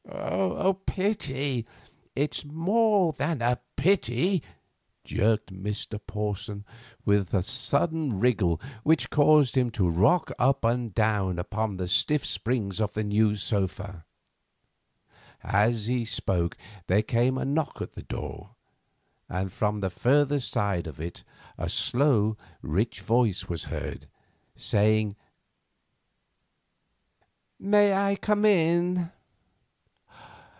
"A pity! It is more than a pity," jerked out Porson, with a sudden wriggle which caused him to rock up and down upon the stiff springs of the new sofa. As he spoke there came a knock at the door, and from the further side of it a slow, rich voice was heard, saying: "May I come in?"